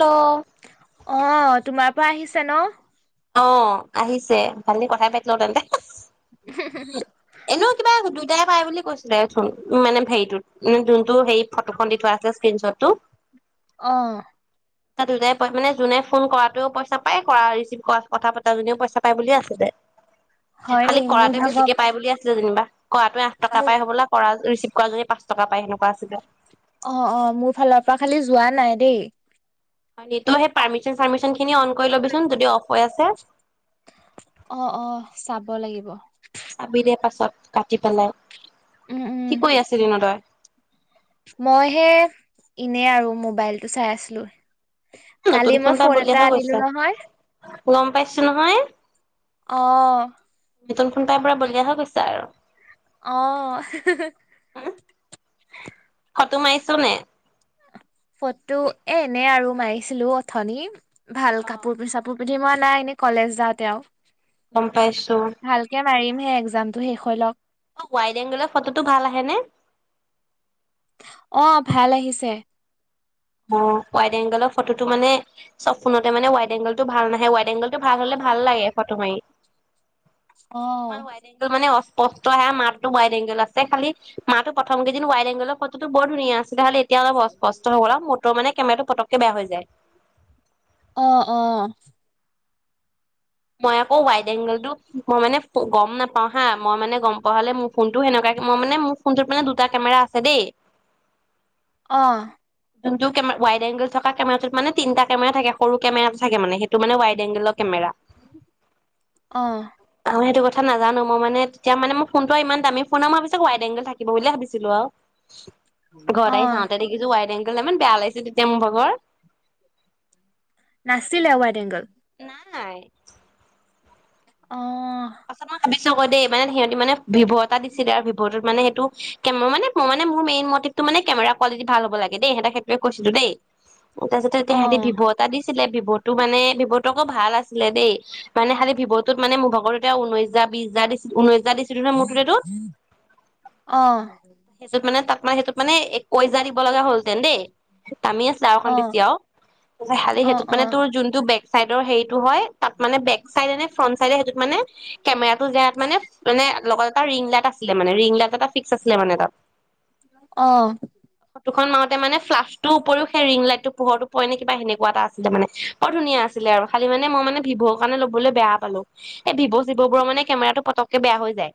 Hello অ তোমাৰ তোমাৰ পৰা আহিছে ন অ আহিছে ভাল কথাাই পাতি লওঁ তেন্তে এনেও কিবা দুটাই পাই বুলি কৈছে ওজন উ মানে হেৰিটোত মে যোনটো হেৰি ফটোখন দি থোৱা আছে স্ক্ৰনশ্বটটো? আহ। ত দুটাই মানে যোনে ফোন কৰাটো পইচা পায় কৰা ৰিচিভ? কোত কথা পতাাজনেও পইচা পায় বুলিয়ে আছিল দে। হয় নি? খালি মোৰ কৰাতে ভাগৰ বেছিকে পাই বুলি আছে? যেনিবা। কৰাটোৱ আঠ টকা মোৰ পাই হ'বলা কৰা চিভ। কোৱা যদি পচ টকা পায়ে সেনু। অ অ মোৰ ফালৰ পৰা খালি? যোৱা নাই দেই। তোমাৰে পাৰ্মিশন চাৰ্মিশন। সিনি অন কৰি লবিচোন যদি অফ হৈ আছে? এ। অ অ চাব লাগিব? চাবি দে পাছত কাটি পনোই? উম, উম, কি কৰি আছিলি ‌ন‌ তই। মই হে এনে আৰু মোবাইলটো চাই আছিলো? কালি নতুন ফোন মই এটা বলিয়হে আনিলো গৈছে? নহয়। গম পাইছো নহয়। আহ। নতুন ফোন পাই পৰা বলিয়ীয়া হৈ গৈছে আৰু। অ। হম, ফটো মাৰিছো নে। ফটো এ এনে আৰু মাৰিছিলো উথনি। ভাল অ', কাপোৰ পিচাপোৰ। মই নাই এনেই কলেজ যাওঁতে দিয়ক? গম পাইছো? মাৰিম সেই এক্জাম টো শেষ হৈ লওক। অ ৱাইড এংগলৰ ফটোটো ভাল আহেনে। অ ভাল আহিছে? অ ৱাইড এংগলৰ ফটোতটো মানে চব ফোনতে মানে ৱাইড এংগল টো ভাল নাহে ৱাইড এংগল। টো ভাল হলে ভাল লাগে ফটো মাৰি। অ', কিছুমান ৱাইড এংগল মানে অস্পষ্টহে মাত। ৱাইড এংগল আছে খালি মাতটো প্ৰথম কেইদিন ৱাইড এংগলৰ ফটো বৰ ধুনীয়া আছিল? খ স্পষ্ট নল। ফ মানে কেমেৰাটো পতককে বেয়া হৈ যায়। আহ আহ। মই আকৌ ৱাইড এংগলটো মই মানে গম নাপাওঁ হা মই মানে গম পোৱা হলে মোৰ ফোন। সেনেকোৱাকে মই মান মোৰ ফোনটোত মানে দুটা কেমেৰা আছে তদ [inaudible] অ যোনটো কে ৱাইড এংগল থকা কেমেৰাত মানে তিনিটা কেমেৰা থাকে সৰু কেমেৰাটো থাকে মানে সেইটো মানে ৱাইড এংগেলৰ কেমেৰা আহ ম সেইটো কথা নাজানো মই মানে তেতিয়া মানে ফোনটো ইমান দামী ফোন মই ভাবিছো ৱাইড এংগল থাকিব বুলি ভাবিছিলো আৰু অ', ঘৰত আহি অ'। চাওঁতে দেখিছো ৱাইট গলে ইমান বেয়া লাগিছে তেতিয়া মোৰ ভাগৰ নাছিলে ৱাইট এংগল নাই অ আছল [inaudible] নিচ ক দেই মানে সিহঁতি মানে ভিভ' এটা দিছিলে আৰু ভিভ'টোত মানে সেইটো কে মই মানে মই মানে মোৰ মেইন মটিভটো মানে কেমেৰা কোৱালিটি ভাল হব লাগে দেই সিহঁতক সেইটোৱে কৈছিলো দেই তাৰপিছতে অ তেহেতি ভিভ এটা দিছিলে ছিলে ভিভটো মানে ভিভটো আকৌ ভাল আছিলে দেই মানে খালি ভিভটোত মানে মোৰ ভ এতিয়া ঊনৈশ হাজাৰ বিশ হাজাৰ দিছিল ঊনৈশ দিছিলো ন মোৰ ততেটোত অ সেইটোত মানে তোমাৰ সেইটোত মানে একৈশ হাজাৰ দিব লগা হ'লহতেন দেই নামি আছিলে আৰু এখন অ বেছি আৰু ত খালি অ অ সেইটোত মানে তোৰ যোনটো বেগ চাইডৰ হেৰিত সেইটো হয় তাত মানে বেক চাইডে নে ফ্ৰন্ট চাইডে সেইটোক মানে কেমেৰাটো যাত মানে মানে লগতে এটা ৰিং লাইট আছিলে মানে ৰিং লাইট এটা ফিক্স আছিলে মানে তাত আহ খন মাৰোতে মানে ফ্লাষ্টো উপৰিও সেই ৰিং লাইট পোহৰটো পৰে নে কিবা সেনেকা এটা আছিলে মানে বৰ ধুনীয়া আছিলে খালি মানে মই মানে ভিভ'ৰ কাৰণে লবলৈ বেয়া পালো ভভ' জীৱ বোৰৰ মানে কেমেৰাটো পতকে বেয়া হৈ যায়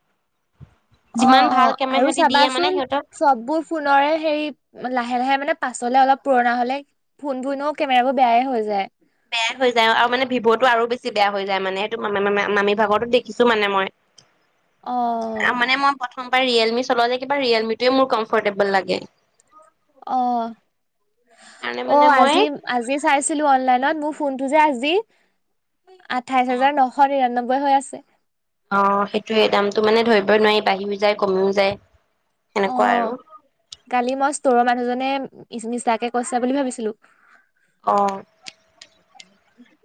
অ যিমান অ ভাল কেমেৰা আৰু সিহঁতি দিয়ে মানে চাবাচোন সিহঁতৰ চববোৰ ফোনেৰে হেৰি লাহে লাহে মানে প আচলতে অলপ পুৰণা হলে ফোনবোৰও কেমেৰাবোৰ বেয়াই হৈ যায় বেয়া হৈ যায় আৰু মানে ভিভ'টো আৰু বেছি বেয়া হৈ যায় মানে সেইটো ম মামী ভাগতো দেখিছো মানে মই অ গম পাই ৰিয়েলমি চলোৱা যায় কিবা ৰিয়েলমিটয়ে মোৰ কম্ফৰ্টেবল লাগে। অ', কাৰণে - মানে অ', মই আজি- আজি চাইছিলো অনলাইনত ম', ফোনটো যে আজি আঠাইছ অ হাজাৰ নশ নিৰান্নব্বৈ। গৈ হৈ আছে। অ', সেইটো দামটো মানে ধৰিব নোৱাৰি বাঢ়ি - বাঢ়ি যায় কমিও যায় অ সেনেকুৱা আৰু। কালি মই ষ্টৰৰ মানুহজনে মিছাকে কৈছো বুলি ভাবিছিলো অ', উম',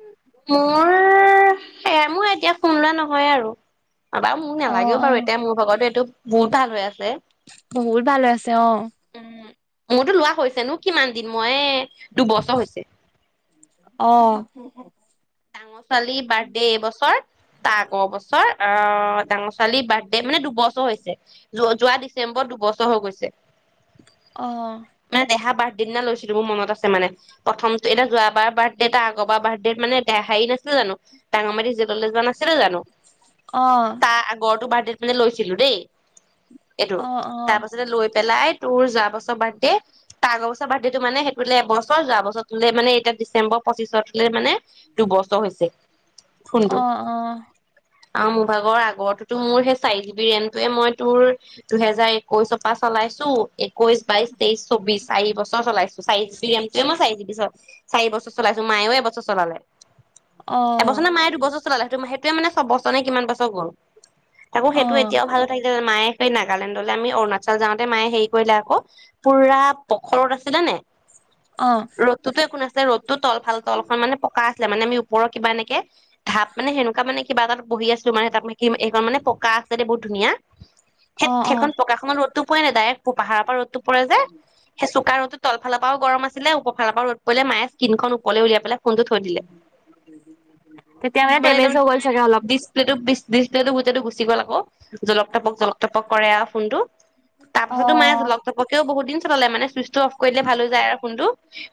স মোৰ এতিয়া কোমলোৱা নহয় আৰু। কাৰবাৰ মোৰ অ নালাগেও অ বাৰু এতিয়া মোৰ ভগতে এইটো বহুত হাল আৰু [unintelligible] বহুত ভালে আছে অ', উম, মোৰতো লোৱা হৈছে নো? কিমান দিম মই, দুবছৰ হৈছে। অহ ', ডাঙৰ ছোৱালীৰ বাৰ্থডে এইবছৰ তাক অ', বছৰ আহ', ডাঙৰ ছোৱালীৰ বাৰ্থডে মানে দুবছৰ হৈছে, যোৱা -যোৱা ডিচেম্বৰত দুবছৰ হৈ গৈছে। মানে দেহা অ', বাৰ্থডে দিনা লৈছিলো মোৰ মত আছে মানে প্ৰথমতটো এটা যোৱ বাৰ বাৰ্থডে এটা আগৰবাৰ বাৰ্থডে মানে এ', হাঁহি নাছিল জানো ডাঙ মাৰি যে নাছিলে জানো, অ তাৰ আগৰটো বাদ মানে লৈছিলো দেই। এইটো অ', তাৰ অ', পাছতে লৈ পেলাই তোৰ যোৱা বছৰ বাৰ্থডে তাৰ আগৰবছৰ বাৰ্থডেতটো মানে, সেইটোলৈ এবছৰ যোৱা বছৰটো মানে এতিয়া ডিচেম্বৰ পচিছতলে মানে, দু বছৰ হৈছে। ফোনটো অ-অ, আৰু মোৰভাগৰ আগতো মোৰ সেই চাৰি জি বি ৰেমটোৱে মই তোৰ দুহেজাৰ একৈশৰ পৰা চলাইছো। একৈশ, বাইশ, তেইশ, চৌবিশ। চাৰি বছৰ চলাইছো, চাৰি জি বিমটোৱে মই চাৰি জি পিত চাৰি বছৰ চলাইছো মায়ও এবছৰ চলালে। এবছৰ অ', নে মায়ে দুবছৰ সেইটো সেইটোৱো মানে চবছৰ নে কিমান বছৰ গ'ল? তাকৌ সেইটো অ', এতিয়াও ভালে থাকিলে, মায়ে সেই নাগালেণ্ডলৈ আমি অৰুণাচল যাওঁতে মায়ে হেৰি কৰিলে আকৌ, পুৰা পখৰদ আছিলে নে? অ', ৰ'দটোতো একো নাছিলে, ৰ'দ টো তল ভাল তল খন মানে পকা ছিলে মানে আমি ওপৰৰ কিবা এনেকে ধাপ মানে সেনেকুৱা মানে, কিবা এটা বহি আছো মানে তাতে এইখন মানে পকা আছেদেই বহুত, ধুনীয়া সেই অ', সেইখন অ', পকাখনত ৰ'দতটো পৰে নাই, ডাইৰেক্ট পাহাৰৰ পৰা ৰ'দটো পৰে যে সেই চোকা ৰ'দটো তলফালৰ বৰ গৰম আছিলে উপফালৰ পৰা ৰ'দ পৰিলে মায়ে স্কিখন কলে উলিয়াই ফোনটো থৈ দিলে। তেতিয়া মানে ডেমেজ হৈ গ'ল চাগে অলপ। ডিজিপ্লেটো বহুতেটো গুচি গ'ল আকৌ জলক-তপক জলক-তপক কৰে আৰু ফোন টো। তাৰ পাছতো মায়ে আছো অ', জলক-তপকেও বহুদিন ললে মানে। অফ কৰিলে ভাল যায় আৰু ফোনটো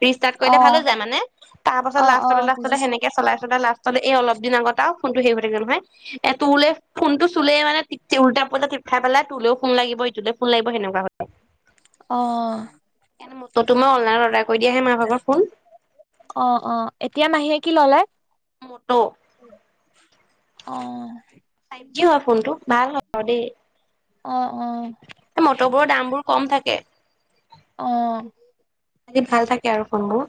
ৰিষ্টাৰ্ট অ কৰিলে ভাল হৈ যায়, মানে তাৰ পাছত অ অ লাষ্টত বুজিছো সেনেকে চালাই-চালাই লাষ্ট ত ত এই অলপ দিন আগত আৰু ফোনটো হেৰি হৈ থাকে নহয় এ তোৰলে ফোনটো চুলে, মানে উল্টা-পুল্টা টিপ খাই পেলা তোলেও ফোন লাগিব এইটোলৈ ফোন লাগিব সেনেকুৱা হল। অ', সেইকাৰণে মততো মই অনলাইন অৰ্ডাৰ কৰি দিয়াহে মাৰ ভাগত ফোন অ', অ', এতিয়া মাহীয়ে কি ল'লে? মতটো, অ', ফাইভ জি হোৱা ফোনটো। ভাল হব দেই মটৰ বোৰৰ দাম বোৰ কম থাকে অ আজি ভাল থাকে আৰু কাম বোৰ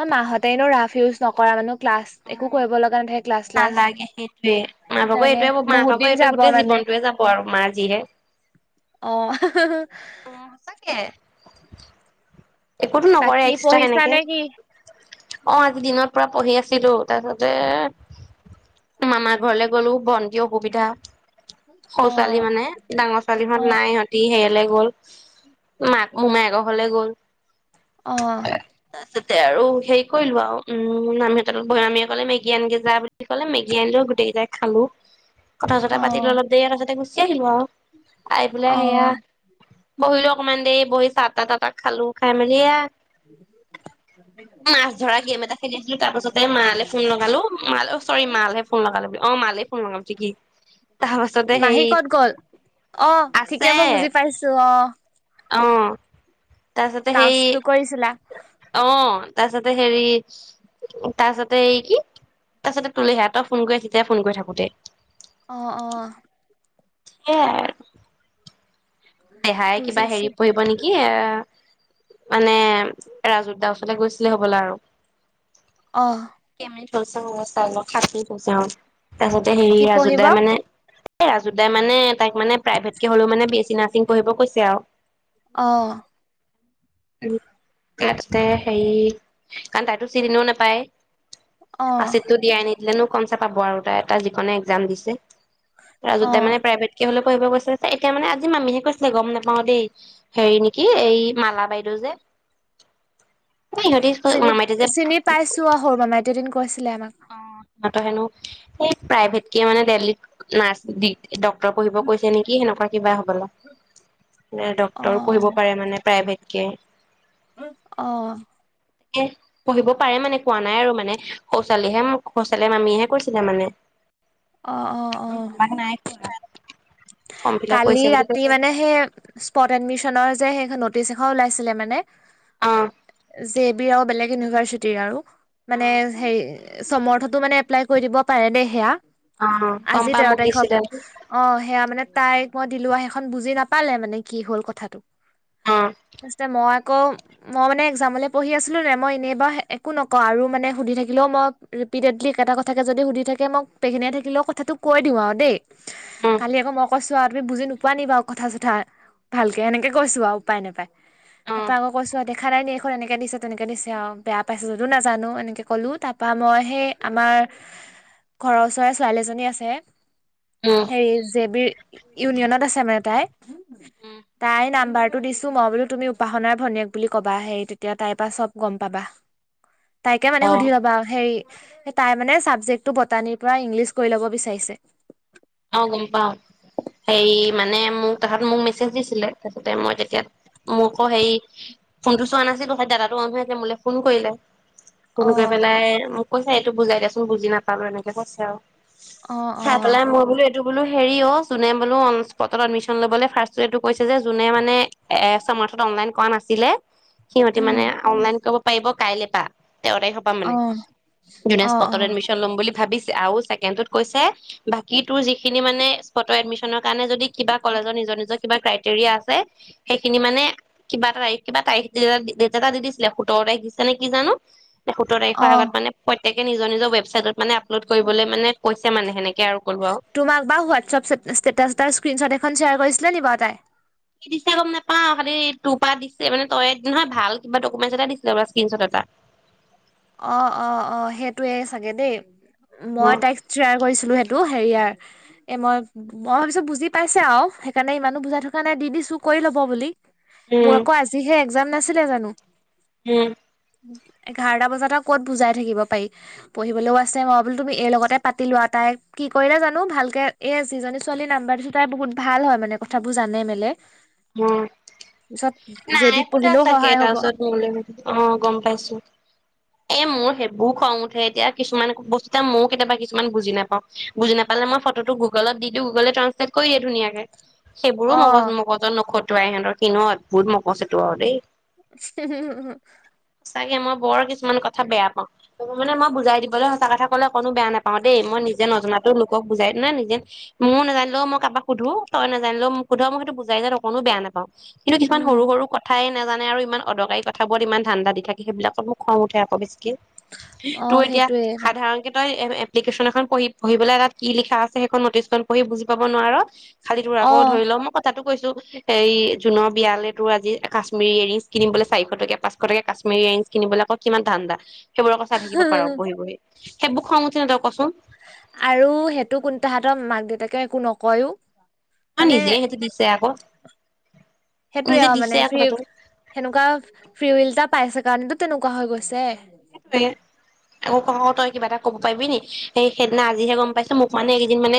অ মাহঁতে এনে ৰাফ ইউজ নকৰা মানে ক্লাছ একো কৰিব লগা নাথাকে। ক্লাছ চ্লাছ নালাগে সেইটোয়ে মা ভাগৰ সেইকাৰণে এইটোৱে মা বহুত ভাগৰ দিন এইট যাব গোটেই মানে জীৱনটয়ে যাব আৰু মাৰ যিহে অ', অ সঁচাকে একোতো নকৰে বাকী এক্সট্ৰা পঢ়িছা সেনেকে নে কি? অ আজি দিনত পুৰা পঢ়ি আছে। আছিলো তাৰ পাছত তে মামাৰ ঘৰলৈ গ'লো ভন্তি অসুবিধা সৰু ছোৱালী অ', মানে ডাঙৰ ছোৱালী মত অ', নাই সিহঁতি সে ওলাই গ'ল মাক মোমাই আকৌ ঘলে গ'ল অহ তাৰপিছতে আৰু হেৰি কৰিলো আৰু উম নামিহঁতত ভৈৰামীয়ে কলে মেগী আনগে যা বুলি কলে মেগী আনিলো গোটেইকেইটাই খালো কথা চথা পাতি অ', অলপ দেৰি এটা তাতে আহিলো আও, আহি পেলাই সেয়া অ', বহিলো অকনমান দেৰি বহি চাহ তাহ তাহ তাত খালো খাই মেলি মাছ ধৰা গেম এটা খেলি আছিলো তাৰ পাছতে মালে ফোন লগালো মাল চৰি মালে ফোন লগালো অ মালে ফোন লগাব ঠিকে তাৰপাছতে মাহী হেই ক'ত গ'ল? অ ঠিকে আছে মই বুজি পাইছো অ অহ তাৰছাতে সেই টাস্কটো কৰিছিলা অ তাৰছাতে হেৰি তাৰ পাছতে এই কি তাৰ পাছতে তুলিহে সেয়াত ফোন কৰি থাকোঁতে ফোন কৰি থাকো তে অ অ সেইয়াই দেহাই কিবা বুজিছো হেৰি পঢ়িব নেকি মানে ৰাজুত দা ওচলে গৈছিলে হ'বলৈ আৰু অহ কৈ চাও অনুষ্ঠানক তাকে কৈছে অ তাৰ পাছতে হেৰি কি ৰাজো পঢ়িব দাই মানে এ ৰাজুদাই মানে তাই মানে প্ৰাইভটকে হ'লেও মানে বি এছ ছি নাচিঙ চিঙ পঢ়িব কৈছে আৰু অহ তাতে হেৰি কাৰণ তাইতো চিনিও নাপায় অ আছেতটো দিয়াই নে দিলে নো কম চ পাব আৰু তাই এটা যিকনে একজাম দিছে পৰা অ যদি প্ৰাইভেট কে হ'লেও পঢ়িব গৈছে ত এতিয়া মানে আজি মামিহেক কৈছিলে গম নাপাও দেই হেৰি নেকি এই মালা বাইদেউ যে ইহঁতি চিনি মামাইতে যে চিনি পাইছো আহ সৰু মামাই দুদিন কৈ ছিলে আমাক অ সিহঁতৰ হেনো সে প্ৰাইভেট কে মানে দেল্লীত নাৰছ, ডক্টৰ পঢ়িব কৈছে নেকি সেনেকুৱা কিবা হ'ব লা। অ ডক্টৰ পঢ়িব পাৰে মানে প্ৰাইভেট কে অ এ পঢ়িব পাৰে মানে কোৱা নাই আৰু মানে ছোৱালীহে সোচালে মামীহে কৈছিলে মানে অ অ অ আমাক নাই কোৱা ফৰ্ম ফিল আপ কালি কৰিছে বুলি ৰাতি কৈছে মানে সেই স্পট এডমিশনৰ যে সেই নটিছ এখন ওলাইছিলে মানে অ যে বি আৰু বেলেগ ইউনিভাৰ্চিটিৰ আৰু মানে সেই চমৰথতো মানে এপ্লাই কৰি দিব পাৰে দেই সেয়া অ গম আজি পাই তেৰ মোক তাৰিখত দিছিলে অ সেয়া মানে মই দিলো সেইখন বুজি নাপালে মানে কি হ'ল কথাটো অ ফাৰ্ষ্ট মই আক মই মানে এক্সামলৈ পঢ়ি আছিলোঁ নাই মই এনেই বাৰু একো নকওঁ আৰু মানে সুধি থাকিলেও মই ৰিপিটেডলি একেটা কথাকে যদি সুধি থাকে মোক পেঘিনাই থাকিলেও কথাটো কৈ দিওঁ আৰু দেই উম কালি আকৌ মোক তুমি বুজি নোপোৱা নি বাৰু কথা চথা ভালকে এনেকে কৈছো আৰু উপায় নেপায় তাৰ উম পৰা আকৌ কৈছো দেখা নাই নে এনেকে দিছে তেনেকে দিছে আৰু বেয়া পাইছে যদিও নাজানো এনেকে কলো তাৰপা মই সেই আমাৰ ঘৰৰ ওচৰে ছোৱালীজনী আছে হেৰি জেবি ইউনিয়নত আছে মানে তাই উম তাই নাম্বাৰ টো দিছো মই বোলো তুমি উপাসনাৰ ভনীয়েক বুলি কবা হেই তেতিয়া তাইৰ পৰাা চব গম পাবা তাইকে মানে অ সুধি ল'বা হেৰি তাই মানে চাবজেক্টটো বটানিৰ পৰা ইংলিছ কৰি ল'ব বিচাৰিছে অ গম পাও হেৰি মানে মোক তাহত মোক মেছেজ দিছিলে তাৰপিছতে মই তেতিয়া মোক আকৌ হেৰি ফোনটো চোৱা নাছিলো দাদাটো মানুহে যে মো ফোন কৰিলে অ ফোনকৰি পেলাই ম কৈছে, এইটো বুজাই দিয়াচোন বুজি নাপালো এনেকে কৈছে আৰু। অ! চাই অ! পেলাই মই বোলো এইটো বোলা হেৰি অ যোনে বোলো অ'ন স্প'টত এডমিছন ল'বলে ফাৰ্ষ্ট য়েৰটো কৈছে যে কোনে মানে সমৰ্থনত অনলাইন কৰা নাছিলে সিহঁতি মানে উম অনলাইন কৰিব পাৰিব কাইলৈ পা। তেৰ তাৰিখৰ পৰা অ মানে, যোনে অ স্প'টত অ এডমিছন ল'ম বুলি ভাবিছে আৰু ছেকেণ্ডটোত কৈছে কি তোৰ যিখিনি মানে, স্প'টৰ এডমিছনৰ কাৰণে যদি কিবা কলেজৰ নিজৰ নিজৰ কিবা ক্ৰাইটেৰিয়া আছে সেইখিনি মানে কিবা তাৰিখ, ‌ কিবা তাৰিখ, ডেট এটা দি দিছিলে সোতৰ তাৰিখ দিছে নে কি জানো! সোতৰ তাৰিখৰ অ আগত মানে একে নিজৰ নিজৰ মানে আপলোড কৰিবলৈ মানে কৈছে মানে। এনেকে আৰু ক'লো আৰু তোমাক বা হোৱাটছএপ ষ্টেটাছ এতাৰ স্কৃনশ্ব'ত এটা খন শ্বেয়াৰ কৰিছিলে নি বাৰু তাই ‌ কি দিছিলে গম নাপাওঁ খালি তোৰ পৰা দিছে মানে, তই, নহয় ভাল কিবা ডকুমেণ্ট এটা দিছিলে বোলে স্কৃনশ্ব'ট এটা। অ! অ! অ! সেইটোৱে চাগে দেই! উম মই তাইক শ্বেয়াৰ কৰিছিলো সেইটো হেৰিয়াৰ এ মই, মই ভাবিছো বুজি পাইছে আৰু সেইকাৰণে ইমানো বুজাই থকা নাই দি দিছো কৰি ল'ব বুলি। উম মোৰ আকৌ আজিহে একজাম নাছিলে ছিলে [unintelligible] যানো উম! এঘাৰটা বজাত সিহঁতক ক'ত বুজাই থাকিব পাৰি, পঢ়িবলৈও আছে মই বোলো তুমি এই লগতে পাতি লোৱা তাই কি কৰিলে জানো ভাল কে, এ যিজনী ছোৱালীৰ নাম্বাৰ দিছো তাই বহুত ভাল হয় মানে কথাবোৰ জানে মেলে। উম! পিছত জে নাই বিত সুধা পঢ়িলেও চাগে সহায় হ'ব তাৰপিছত অ' গম পাইছো‌। এ মোৰ সেইবোৰো খং উঠে এতিয়া কিছুমান বস্তু মইয়ো কেতিয়াবা কিছুমান বুজি নাপাওঁ, বুজি নাপালে মই ফটোটো গুগলত দি দিওঁ গুগলে ট্ৰাঞ্চলেট কৰি দিয়ে ধুনীয়াকে। সেইবোৰো অ মগজ মগজত নখতোৱায় তই ইহঁতৰ [unintelligible] [unintelligible] বহুত‌ মগজ সেইটো আৰু দেই। চাগে মই বৰ কিছু কিছুমান কথা বেয়া পাওঁ। মানে মই বুজাই দিবলৈ সঁচা কথা ক'লে অকনো বেয়া নাপাওঁ। পাওঁ দেই মই নিজে নজনাতো লোকক বুজাই দিম নহয় মোয়ো নাজানিলেও মই কাবাক সুধো, তই নাজানিলে মোক সোধ। মই সেইটো বুজাই দিয়াত অকনো বেয়া নাপাও। কিন্তু কিছুমান উম সৰু সৰু কথাই নাজানে আৰু ইমান অদৰকাৰী কথা বোৰত ইমান ধান্দা দি থাকে সেইবিলাকত মোৰ খং উঠে আকৌ বেছিকে। অ তোৰ এতিয়া সেইটোৱে সাধাৰণকে তই এপ্লিকেশন এখন পঢ়ি - পঢিবলৈ তাত কি লিখা আছে সেইখন নতিছখন পঢ়ি বুজি পাব নোৱাৰ। খালি তোৰ অ আকৌ ধৰি ল মই কথাটো কৈছো হেৰি জুনৰ বিয়ালে তোৰ আজি কাশ্মিৰী ইয়েৰিংছ কিনিবলে চাৰিশ টকীয়া পাঁশটকীয়া কাশ্মীৰ ইয়েৰিংছ কিনিবলৈ আকৌ কিমান ধান্দা। সেইবোৰ আকৌ চাই থাকিব পাৰ বহি বহি। সেইবোৰ খং উঠে নাই তই কচোন? আৰু সেইটো কোনো তাহতক মাক দেউতাকে একো নকয়ও। অ নিজে হেতি দিছে আকৌ। সেইটোয়ে নিজে আৰু দিছে মানে আকৌ ফ্ৰী। সেইটো সেনেকুৱা ফ্ৰী উইল এটা পাইছে কাৰণে টো তেনেকুৱা হৈ গৈছে। সেইটোৱে। আকৌ তই কিবা এটা কব পাৰিবি নি? সেই সেইদিনা আজিহে গম পাইছো। মোক মানে এইকিদিন মানে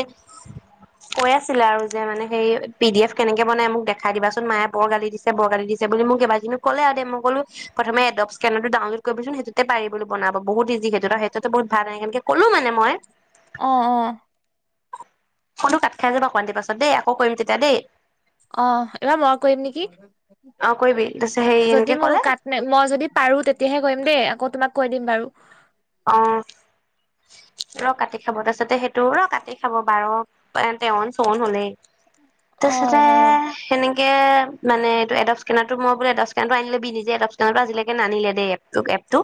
কৈ আছিলে আৰু যে মানে সেই পি ডি এফ কেনেকে বনাই মোক দেখাই দিবাচোন। মায়ে বৰ গালি দিছে বৰ গালি দিছে বুলি মোক কেবাদিনো ক'লে আৰু দে মই ক'লো প্ৰথম এডব স্কেনাৰ টো ডাউনলোড কৰিবচোন সেইটো সেইটোতে পাৰিবি বোলো বনাব বহুত ইজি সেইটোতে। তই সেইটো বহুত ভাল সেনেকে সেনেকে কলো মানে মই অ' অ'। ফোনটো কাট খাই যাব অকমান দেৰি পিছত দেই। আকৌ কৰিম তেতিয়া দেই। অ' এইবাৰ মই কৰিম নেকি? অ কৰিবি তাৰপিছত হেৰি এনেকে যদি মোৰ ক'লে কাট নে মই যদি পাৰোঁ তেতিয়াহে কৰিম দেই আকৌ তোমাক কৈ দিম বাৰু। অ'। ৰ কাটে খাব তাৰ পিছতে সেই তো ৰ কাটে খাব বাৰ তেৱন চৌৱন হ'লেই। অ তাৰপিছতে অ সেনে কে মানে এডব স্কেনাৰ টো মই বোলে আনি লবি নিজে এডব স্কেনাৰ টো আজিলৈকে নানিলেই দেই এপ টোক- এপ টো।